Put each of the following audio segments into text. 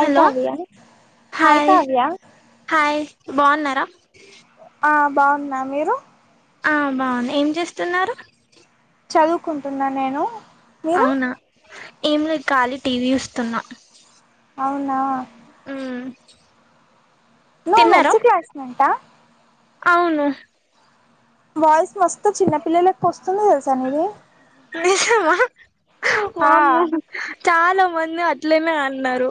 I hello Tanaya ఐ hi Tanaya hi బాగున్నారా ఆ బాగున్నా మీరు ఆ బాగున్న ఏం చేస్తున్నారు చదువుకుంటున్నా నేను మీరు అవునా ఏం లేదు ఖాళీ టీవీ చూస్తున్నా అవునా ఉ నువ్వు మెస్సి క్లాస్మెంటా అవును వాయిస్ మస్తు చిన్నపిల్లలెక్క వస్తుంది తెలుసా నీది నిజమా ఆ వామ్మో చాలా మంది అట్లేనే అన్నారు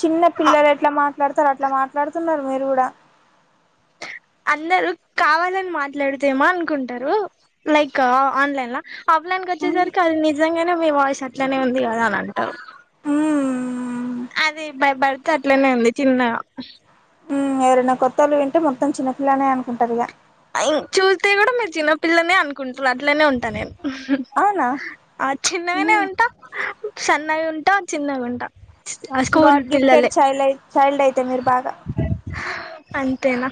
చిన్న పిల్లలు ఎట్లా మాట్లాడతారు అట్లా మాట్లాడుతున్నారు మీరు కూడా అందరు కావాలని మాట్లాడుతేమా అనుకుంటారు లైక్ ఆన్లైన్ లా ఆఫ్లైన్ మ్మ్ వచ్చేసరికి అది నిజంగానే మీ వాయిస్ అట్లనే ఉంది కదా అంటారు అదే బై బర్త్ అట్లనే ఉంది చిన్నగా ఉ ఎవరైనా కొత్తోళ్ళు వింటే మొత్తం చిన్నపిల్నే అనుకుంటారు ఇగ ఇన్ చూస్తే కూడా మీరు చిన్నపిల్లనే అనుకుంటరు అట్లనే ఉంటా నేను ఉ హు అవునా ఆ చిన్నగానే ఉమ్, ఉంటా సన్నగా ఉంటా చిన్నగా ఉంటా ఆ స్కూల్ గాడ్ గిఫ్టెడ్ పిల్లలే చైల్డ్ అయి చైల్డ్ ఐతే మీరు బాగా అంతేనా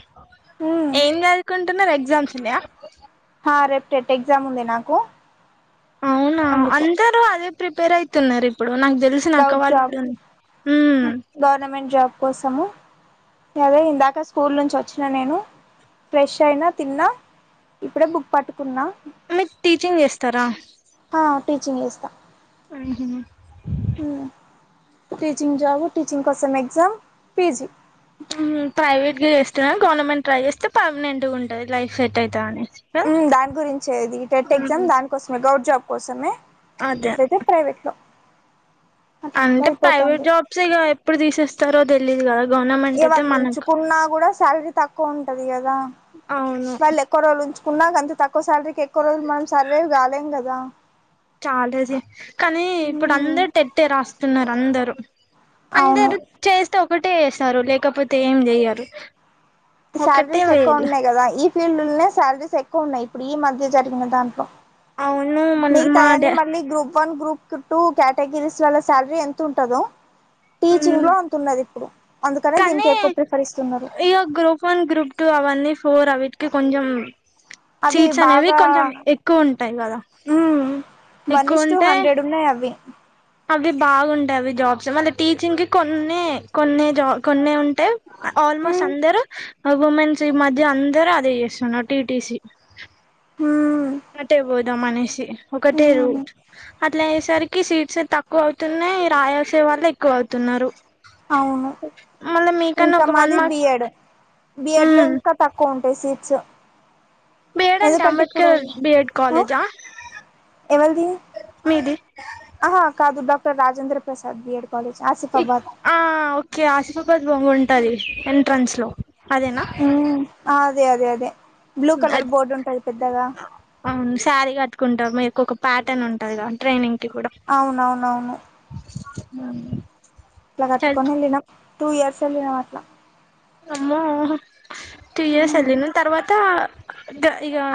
మ్మ్ ఏం చదువుకుంటున్నారు ఎగ్జామ్స్ ఉన్నాయ ఆ రేపు టెట్ ఎగ్జామ్ ఉంది నాకు అవునా అందుకు అందరూ అదే ప్రిపేర్ ఐతునరు ఇప్పుడు నాకు దెల్సిన అక్క గౌట్ వాల్ జాబ్ ఉ గవర్నమెంట్ జాబ్ కోసాము అదే ఇందాక స్కూల్ నుంచి వచ్చిన నేను ఫ్రెష్ ఐన తిన్న ఇప్పుడే బుక్ పట్టుకున్నా మీరు టీచింగ్ చేస్తారా ఆ టీచింగ్ చేస్త ఉ హు ఉ టీచింగ్ జాబు టీచింగ్ కోసం ఎగ్జామ్ ఫీజు ఉ ప్రైవేట్ గా జేస్తున్నా గవర్నమెంట్ ట్రై చేస్తే పర్మనెంట్ గా ఉంటుంది లైఫ్ సెట్ అయితదని మ్ దాని గురించే ఇది టెట్ ఎగ్జామ్ ఉహు, దానికోసమే గౌట్ జాబ్ కోసమే అదే ఐతే ప్రైవేట్లో అంటే ప్రైవేట్ జాబ్స్ గ ఎప్పుడు తీసేస్ స్తరో తెలీదు కదా గవర్నమెంట్ ఇక అయితే వాళ్ళు మనకు ఉంచుకున్నా కూడా శాలరీ తక్కువ అవ్నూ క్కువ రోజులు ఉంచుకున్నా గంతె తక్కువ సాలరీకి ఎక్కువ రోజులు మనం సర్వేవ్ కాలేం గదా కాలేజీ కానీ ఇప్పుడు అందరూ టేట్టే రాస్తున్నారు అందరు అవును అందరూ చేస్తే ఒకటే చేస్తారు లేకపోతే ఏం చెయ్యరు ఒకటే సాలరీస్ ఎక్కువ వేళ ఉన్నాయి కదా ఈ ఫీల్డుల్నే సాలరీస్ ఎక్కువ ఉన్నాయి ఇప్పుడు ఈ మధ్య జరిగిన దాంట్లో అవునూ మిగతాయన్ని మళ్ళీ గ్రూప్ వన్ గ్రూప్ టూ క్యటగిరిస్లలళ్ళ సాలరీ ఎంత ఉంటదో మ్ టీచింగ్లో అంతున్నది ఇప్పుడు అందుకనే దీనికి ఎక్కువ ప్రిఫరిస్తున్నారు అయ్యో గ్రూప్ వన్ గ్రూప్ టూ అవన్నీ ఫోర్ అవన్నిటికి కొంచం అవి బాగా కదా మ్మ్ వన్ ఇష్టో హండ్రెడ్ ఉన్నాయి అవి అవీ బాగుంటాయి అవి జాబ్స్ మళ్ళీ టీచింగ్ కి కొన్నే కొన్నే జాబ్ కొన్నే ఉంటాయి ఆల్మోస్ట్ ఉమ్ అందరూ ఉమెన్స్ ఈ మధ్య అందర్ అదే చేస్తున్నారు టీటీసీ హు మ్మ్ అటే బోదాం అనేసి ఒకటే రూట్ అట్లా అయ్యేసరిక్ కి సీట్స్ తక్కువ అవుతూనై రాయల్సిన వాళ్లు ఎక్కువ అవుతున్నారు అవును మళ్ళీ మీకన్నా ఇంకా ఒక వన్ మాది B mark Ed B Ed లో ఉమ్ ఇంక తక్కువ ఉంటాయి సీట్సు బి ఎడ్ అంటే అంబేద్కర్ బి ఎడ్ ఆ కాలేజా మీది ఆహ కాదు doctor Rajendra Prasad B Ed college Asifabad ఆహ్ ఒకే ఆసిఫాబాద్ లో ఉంటది ఎంట్రన్స్ లో అదేనా మ్ అ అదే అదే అదే బ్లూ కలర్ బోర్డు ఉంటాది పెద్దగా అవును సారీ కట్టుకుంటా మీకు ఒక ప్యాటర్న్ ఉంటంది గాద ట్రైనింగ్ కి కూడా అవునవునవును మ్ అట్లా కట్టుకొని వెళ్ళినాం టూ ఇయర్స్ వెళ్ళినాం అట్లా అమ్మో టూ ఇయర్స్ వెళ్ళిళ్ళ తర్వాతా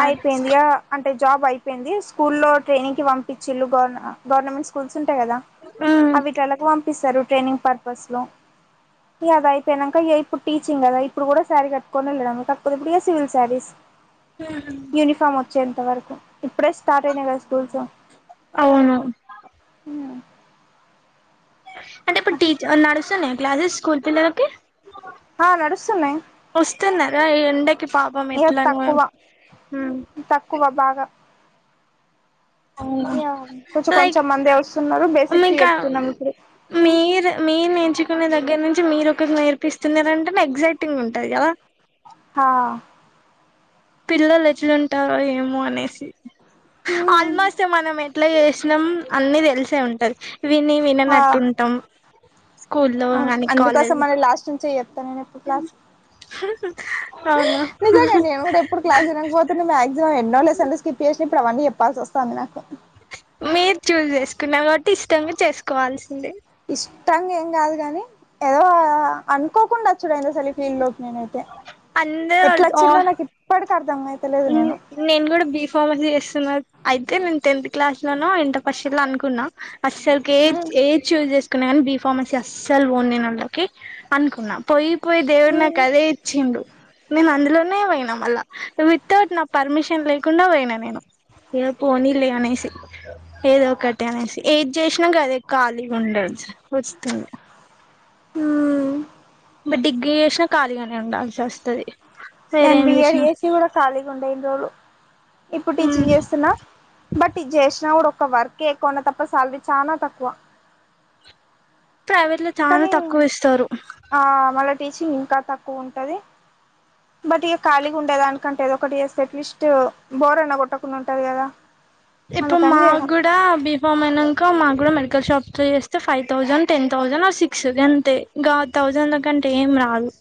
ఐపోయింది ఇగ అంటే జాబ్ అయిపోయింది స్కూల్లో ట్రైనింగ్ కి పంపిచ్చిల్లు గవ్ గవర్నమెంట్ స్కూల్డ్ ఉంటాయి కదా మ్మ్ అవిట్లళ్ళకు పంపిస్తారు ట్రైనింగ్ పర్పస్ లో ఇగ అది అయిపోయినంక ఇగ ఇప్పుడు టీచింగ్ ఇప్పుడు కూడా శారీ కట్టుకొని వెళ్ళడం కాకపోతే ఇప్పుడు సివిల్ శారీస్ అహా యూనిఫామ్ వచ్చేంతవరకు ఇప్పుడే స్టార్ట్ అయినాయి కదా స్కూల్స్ అవును మ్ అంటే ఇప్పుడు టీచ్ నడుస్తున్నాయ క్లాసెస్ స్కూల్ పిల్లలకి ఆ నడుస్తున్నాయి వస్తున్నారా ఈ ఎండకి పాపం ఇగ ఎట్లనో మ్ క్కువ బాగా మ్ ఇగ కొంచెం లైక్ కొంచెం మందే వస్తున్నారు బేసిక్స్ మీకా చెప్తున్నాం ఇప్పుడు మీరు మెన్ ఏజ్ కునే దగ్గర నుంచి మీరు ఒకరికి నేర్పిస్తున్నారంటేనే ఎక్సైటింగ్ ఉంటది కదా హా పిల్లలు ఎట్లుంటారో ఏమో అనేసి ఆల్మోస్ట్ మనం ఎట్లా చేసినాం అన్ని తెలిసే ఉంటది విని ఆ విననట్టుంటాం స్కూల్లో కానీ అందుకోసం కాలేజ్ మన లాస్ట్ నుంచే చేత్తా నేను ఎప్పుడు క్లాస్ [unintelligible] నిజంగా అండి [unintelligible] ఎప్పుడు క్లాస్ వినకపోతే మాక్సిమం ఎన్నో లెసన్లు స్కిప్ చేసిఇప్పుడు అవన్నీ చెప్పాల్సి వస్తంది నాకు మీరు చూస్ చేసుకున్నా కాబట్టి ఇష్టంగా చేసుకోవాల్సిందే ఇష్టంగా ఏం కాదు కాని ఏదో అనుకోకుండా చుడైంది అసలు ఈ ఫీల్డ్ లోకి నేనైతే ఎట్లా అందరు వచ్చిందో నాకు ఇప్పటికి అర్థమైతలేదు నేను నేను గూడా బి ఫార్మసీ చేస్తున్నా అయితే నేను టెన్త్ క్లాస్ లోను ఇంటర్ ఫస్టియర లో అనుకున్నా అస్సలుకి ఏ ఏ చూజ్ చేసుకున్నాగాని బిఫ ఫార్మసీ అస్సలు పోను నేన్ అందులోకి అనుకున్నా పోయి పోయి దేవుడు ఉమ్ నాకు అదే ఇచ్చిండు నేను అందులోనే ఓయినా మళ్ళా వితౌట్ నా పర్మిషన్ లేకుండా పోయినా నేను ఏ పోనీలే అనేసి ఏదొకటి అనేసి ఏది చేసినా గదే ఖాళీగా ఉండొచ్చు వస్తుంది మ్ మీ డిగ్గీ చేసిన ఖాళీగానే ఉండాల్సి వస్తది నేను వేరేం బిఏ చేసినా చేసి కూడా ఖాళీగా ఉండే ఇన్న రోజులు ఇప్పుడు టీచింగ్ చేస్తున్నా బట్ ఇది చేసినా కూడా ఒక వర్కే ఎక్కువ తప్ప శాలరీ చానా తక్కువ ప్రైవేట్ లో చానా కానీ తక్కువ ఇస్తారు ఆ మళ్ళ టీచింగ్ ఇంకా తక్కువ ఉంటది బట్ ఇక ఖాళీ ఉండేదానికంటే ఏదోకటి చేస్తే అట్లీస్ట్ బోర్ అన్నా కొట్టకుండా ఉంటది గదా ఇప్పుడ్ మాగుడ్ ఇక బిఫామ్ అయినాంక మాకు గుడా మెడికల్ షాప్స్ లో చేస్తే ఫైవ్ థౌజండ్ టెన్ థౌసండ్ ఆ సిక్స్ గంతే ఇంకా థౌజండ్ల కంటే ఏం రాదు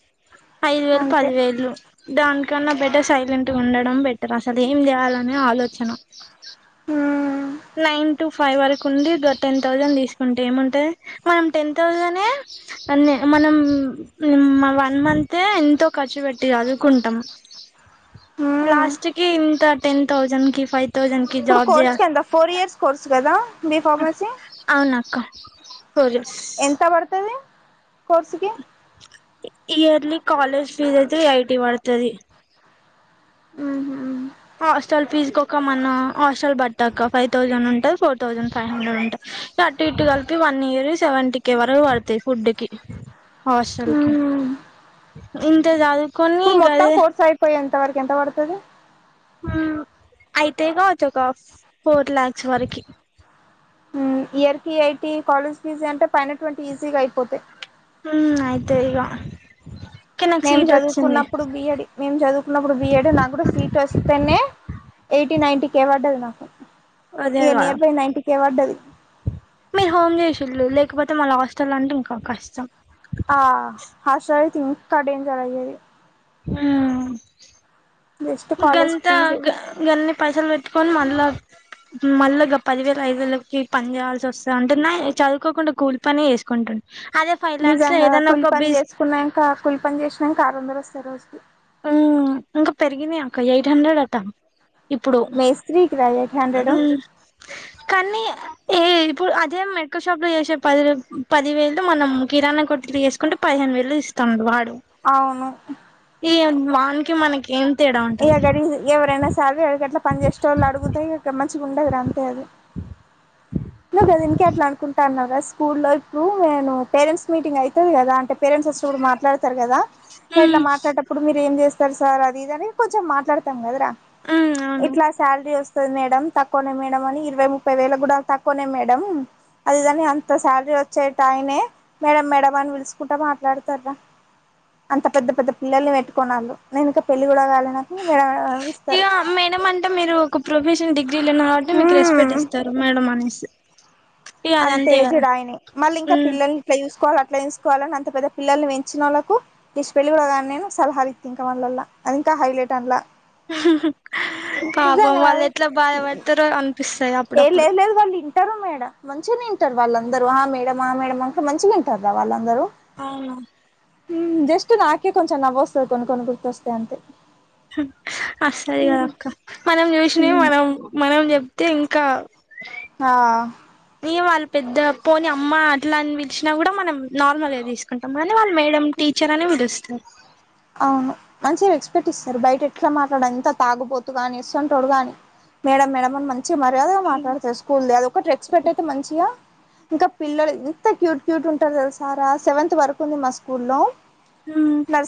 ఐదు వేలు అంతే పది వేల్లు దానికన్నా బెటర్ సైలెంట్ గా ఉండడం బెటర్ అసలు ఏం చేయాలనే ఆలోచన మ్ నైన్ టు ఫైవ్ వరకు ఉండి ఇగో టెన్ థౌజండ్ తీసుకుంటే ఏముంటది మనం టెన్ థౌజనే అన్నే మనం వన్ మంతే ఎంతో ఖర్చు వెట్టి జదుకుంటాం మ్మ్ లాస్ట్ కి ఇంత టెన్ థౌజండ్ కి ఫైవ్ థౌజండ్ కి ఇప్పుడు జాబ్ కోర్స్ జేయా కి ఎంత ఫోర్ ఇయర్స్ కోర్స్ గదా బీఫార్మసీ అవునక్క ఫోర్ ఇయర్స్ ఎంత పడతది కోర్సుకి ఇయర్లీ కాలేజ్ ఫీజ్ అయితే ఎయిటీ పడతది మ్ హు హాటల్ ఫీజ్కొక మన హాస్టల్ పట్టాక ఫైవ్ థౌజండ్ ఉంటుంది ఫోర్ తెంజడ్ ఫై హండ్రెడ్ ఉంట అటు ఇటు కలిపి వన్ ఇయర్ సెవెంటీ క వరకు పడతాయి ఫుడ్ కి హాస్టల్కి మ్మ్ ఇంతజదు ఇప్పుడు మొత్తం కోర్స్ అయిపోయేంత వరకు ఎంత పడతది మ్ అయితయి కావచ్చు ఒక ఫ్ ఫోర్ లాక్స్ వరకి ఇయర్ కి ఐటీ కాలేజ్ ఫీజ్ అంటే పైన ట్వంటీ ఈజీగా అయిపోతాయి హ అయితే ఇగ కానీ నాకు మేం సీట్ వచ్చింది చదువుకున్నప్పుడు బియడ్ మేము చదువుకున్నప్పుడు బిఎడ్ నా కూడా సీట్ వస్తేనే ఎయిటీ నైన్టీ కే పడ్డది నాకు అదే ఇగ కదా నియర్ బై నైన్టీ కే పడ్డది మీరు హోమ్ చేసిళు లేకపోతే మళ్ళ [unintelligible] అంటే ఇంకా కష్టం ఆ హాస్టల్ అయితే ఇంక [unintelligible] ఆ జస్ట్ కాలేజ్ గంత ఫీజు గ గన్నీ పైసలు పెట్టుకని మల్ల మళ్ళీ పదివేల ఐదు వేలకి పని చేయయాల్సి వస్తు [unintelligible] చదువుకోకుండా కూలి పనే [unintelligible] అదే ఫైవ్ లాక్స్ ఏదనా ఒక బి [unintelligible] కూల్ పని చేసినాక ఆరు వందలు వస్తయీ రోజుకి ఇంకా పెరిగినాయి అక్క ఎయిట్ హండ్రెడ్ అట్టా ఇప్పుడు మేస్త్రీకి రా ఎయిట్ హండ్రెడ్ కానీ ఏ ఇప్పుడు అదే మెడికల్ షాప్ లో చేసే పది పది వేలు మనం కిరాణా కొర్ తీసు [unintelligible] పదిహేను వేలు ఇస్తుడు వాడు అవును ఈ వానికి మనకి ఎం ఇ గడి ఎవరైనా సరే ఎరి గట్లా పని చేసే వాళ్ళు అడుగుతా ఇ మంచిగాగుండే అడ అంతే అది నువ్వు కద ఇంక అట్ల అనుకుంటా అన్నా కా స్కూల్లో ఇప్పుడు నేను పేరెంట్స్ మీటింగ్ అవుతుంది కదా అంటే పేరెంట్స్ [unintelligible] కూడా మాట్లాడతారు కదా ఇట్ల మ్మ్ మాట్ల [unintelligible] ఇప్పుడు మీరు ఏం చేస్తారు సార్ అది ఇది అని కొంచెం మాట్లాడతాం కదర మ్మ్ అవును ఇట్ల శాలరీ వస్తుంది మేడం తక్కువనే మేడం అని ఇరవై ముప్పై వేలు కూడా తక్కువనే మేడం అదిదని అంత శాలరీ వచ్చే టయనే మేడం మేడ అని పిలుసుకుంటా మాట్లాడతార అంత పెద్ద పెద్ద పిల్లల్ని [unintelligible] నేను ఇకా పెళ్ళి కూడ [unintelligible] నాకు ఇగ అనిపిస్తారు మేడం అంటే మీరు ఒక ప్రొఫెషనల్ డిగ్రీలో ఉని కాబట్టి మీకు రెస్పెక్ట్ మ్మ్ ఇస్తారు మేడం అనేసి ఇగ అది అంత అంతే కదా తేజుడు అతనే మళ్ళీ ఇంకా ఉమ్ పిల్లలు ఎట్లా చూసుకోవాల అట్ల చూసుకోవాల అంత పెద్ద పిలల్ని పెం [unintelligible] వాళ్లకు [unintelligible] కూడ గానీ నేను సలహాలు ఇక్ ఇంకా వాళ్ళల అది ఇంకా హైలైట్ అనలా పాపం రా వాళ్ళు ఎట్ల బాధపడతారో అనిపిస్తాయి అప్పుడప్పుడు తింటారు మేడం మంచిగనే [unintelligible] టారు వాళ్ళందరు మేడ ఆ మేడ అంత మంచిగా [unintelligible] వాళ్ళందరూ అవును జస్ట్ నాకే కొంచెం నవ్వు వస్తది కొన్ని కొని గుర్తొస్తే అంతే అసలు కదక్క మనం చూసినవి మనం మనం [unintelligible] థె ఇంకా ఆ [unintelligible] వాళ్ళ పెద్ద పోని అమ్మ అట్లా అని పలిచినా కూడా మనం నార్మల్గా తీస్ కుంటాం కానీ వాళ్ళ మేడం టీచర్ అని పిలుస్త అవును మంచిగ రేస్క్ట్ ఇస్తారు బయట ఎట్లా మాట్లాడ ఇంత తాగుపోతు ని ఇస్తుంటోడు కాని మేడం మేడం అని మంచిగా మర్యాద మాట్లాడతారు స్కూల్డీ అంటూ అది ఒకటి రెస్పెక్ట్ అయితే మంచిగా ఇంక పిల్లలు ఇంత క్యూట్ క్యూట్ ఉంటారు కదా సారా సెవెంత్ వరకు ఉంది మా స్కూల్లో ఆ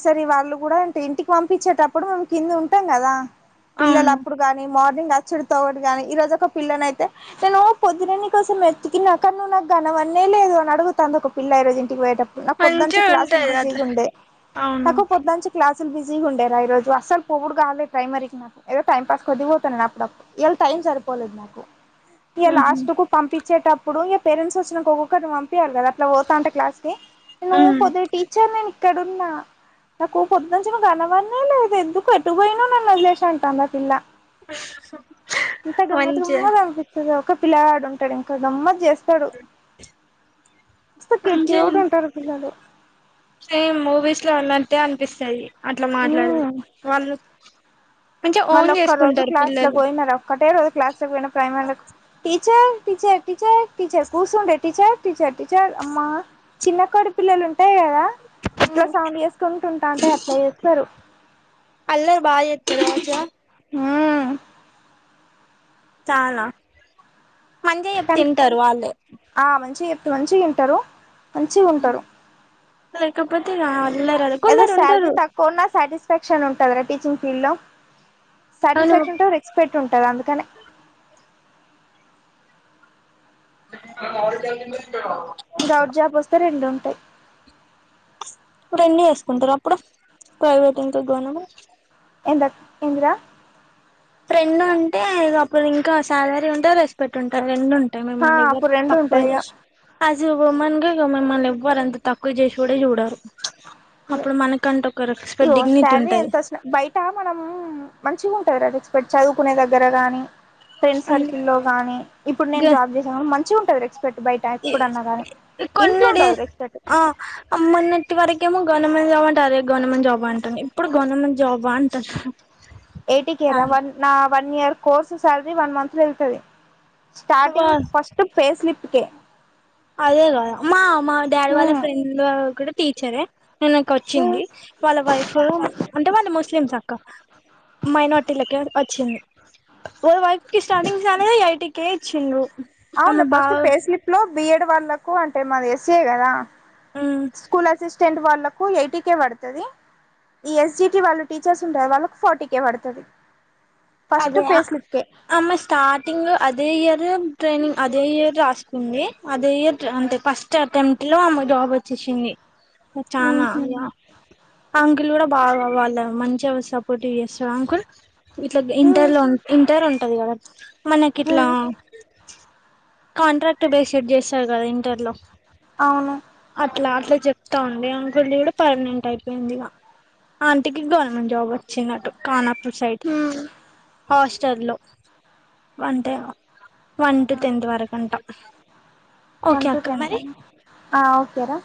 సర వాళ్ళు కూడా అంటే ఇంటికి పంపించేటప్పుడు మేము కింద ఉంటాం కదా పిల్లలు అవును అప్పుడు గాని మార్నింగ్ అచ్చడితోవడు గాని ఈ రోజు ఒక పిల్లనయితే నేను పొద్దున కోసం ఎత్తుకిన్నా కా నువవు నాకు ఘనంన్ననే లేదు అని అడుగుతది ఒక పిల్ల రోజు ఇంటికి పోయటడు నాకు పొద్దుంచే మంచిగా క్లాసులు ఉంటది బిజీగ అట్లా ఉండే అవును [unintelligible] నుంచి క్లాసులు బిజీగా ఉండేరా ఈ రోజు అసలు పొవుడుగాాలే ప్రైమరీకి నా ఏదో టైమ్ పాస్ [unintelligible] నా అప్పు [unintelligible] టైమ్ సరిపో పోదు నా ఇగ ఉహు లాస్ట్ కు పంపించేటప్పుడు ఇగ పేరెంట్స్ వచ్చినంకా ఒక్కొక్కరీని పంపియ్యారు కదా అట్లా పోతాంటె క్లాస్ కి నువ్వు ఉమ్ పొద్దు టీచర్ నేను ఇక్కడన్నా నాకు పొద్దుంచి నువ్వు కనపడనేలేదు ఎందుకు ఎటు పోయినవు నన్ను వదిలేసి అంటాది ఆ పిల్ల ఎంత గమ్మత్ మంచిగా గమ్మత్ అనిపిస్తది ఒక పిలగాడు ఉంటాడు ఇంకా గమ్మత్ చేస్తా స్తడు మస్తు క్యూట్ క్యూట్ మంచిగా గా ఉంటరు పిల్లలు సేమ్ మూవీస్ లో ఉన్నట్టే అనిపిస్తది అట్లా మాట్లాడితే మ్మ్ వాళ్ళు మంచిగా మళ్ళ ఓన్ ఒక్క రోజు చేసుకుంటారు క్లాస్ లో పిల్లలు పోయిన రా ఒక్కటే రోజు క్లాస్ లో పోయిన ప్రైమరీ లకు టీచర్ టీచర్ టీచర్ టీచర్ కుసుండే టీచర్ టీచర్ టీచర్ అమ్మా చిన్న కోడి పిల్లలు ఉంటాయి కదా ఎట్లా సౌండ్ చేసుకుంటు ఉంటా అంటే అట్లా చేస్తారు అల్లరి బాగా చెత్తర మంచిగా హు చాలా మంచిగా చెప్తే కనీ ఇంటారు వాళ్ళే మంచిగా చెప్ మంచిగా వింటరు మంచిగా ఉంటారు లేకపోతే అల్లరి అది కొందరు ఉంటరు కొన్నా సాటిస్ఫాక్షన్ ఉంటందిరా టీచింగ్ ఫీల్డ్ లో అవును సాటిస్ఫాక్షన్ టూ రేస్ స్పెక్ట్ ఉంటది అందుకనే [inaudible] గౌట్ జాబ్ వస్తే రెండు ఉంటాయి ఇప్పుడన్ని ఏసుకుంటారా అప్పుడు ప్రైవేట్ ఇంత గనం ఎందక్ ఏందిరా రెండు ఉంటే అప్పుడు ఇంకా శాలరీ ఉంటది రెస్పెక్ట్ ఉంటాది రెండు ఉంట మా మనవి అప్పుడు రెండు తక్కువ ఉంటాయి చేసు యాస్ ఎ వుమెన్ గా మమ్మల్ని ఎవ్వరు ఎంత తక్కువ చేసి కూడా చూడరు ఇక అప్పుడు మనకంటు ఒక ఇగో రెస్పెక్ట్ డిగ్నిటీ శాలరీ ఉంటాయి ఎంత వచ్చినా బయట మనం మంచిగా ఉంటంది రెస్పెక్ట్ చదువుకునే దగ్గర గాని ఫ్రెండ్స్ సర్కిల్లో గానీ ఇప్పుడు నేను జాబ్ చేసాను మంచిగా ఉంటంది ఎక్స్పెక్ట్ బయట ఎప్పుడన్నా గాని ఇంట్లో కొన్ని ఉండదు డేస్ రెస్పెక్ట్ ఆ మొన్నటి వరకేమో గవర్నమెంట్ జాబ్ అంటారు అదే గవర్నమెంట్ జాబ్ అంటుంది ఇప్పుడు గవర్నమెంట్ జాబ అంటంది ఎయిటి కేరా వన్ నా one year course salary one month లో వెళ్తది అబ్బా స్టార్టింగ్ ఫస్ట్ పేస్లిప్కి అదే కదా మా మా డాడీ వాళ్ళ హ్మ్ ఫ్రెండ్ కూడా టీచరే నేనకు హ్మ్ వచ్చింది వాళ్ళ వైఫ్ అంటే వాళ్ళు ముస్లిమ్స్ అక్క మైనార్టీలకే వచ్చింది వాళ్ళ వైఫ్ కి స్టార్టింగ్స్ సాలరీ ఐటికె ఇచ్చిండు అవును ఫస్ట్ పేస్లిప్ లో బియడ్ వాళ్ళకు అంటే మాది యస్ఏ కదా స్కూల్ అసిస్టెంట్ వాళ్ళకు ఎయిట్ కే పడుతది ఈ ఎస్జిటి వాళ్ళ టీచర్స్ ఉంటారు వాళ్ళకి ఫార్టీ కే పడుతది ఫస్ట్ అదే యా పే స్లిప్ కే ఆ అమ్మాయి స్టార్టింగ్ అదే ఇయర్ ట్రైనింగ్ అదే ఇయర్ రాసుకుంది అదే ఇయర్ అంటే ఫస్ట్ ఫస్ట్ అటెంప్ట్ లో ఆమె జాబ్ వచ్చేసింది చానా ఉహు ఇగ అంకుల్ కూడా బాగా వాళ్ళ మంచిగా సపోర్ట్ చేస్తాడు అంకుల్ ఉ ఇంటర్ లో ఇంటర్ ఉంటది కదా మనకి ఉ ఇట్లా కాంట్రాక్ట్ బేసిడ్ చేస్తారు కదా ఇంటర్ లో అవును అట్లా అట్లా చెప్తా ఉండి అంకుల్ ది కూడా పర్మనెంట్ అయిపోయింది ఇక ఆంటికి గవర్నమెంట్ జాబ్ వచ్చినట్టు కానాపూర్ సైడ్ హు హాస్టల్లో అంటే వన్ టు టెన్త్ వరకంట వన్ ఓకే టు అక్క టెన్త్ మరి ఆ ఓకే రా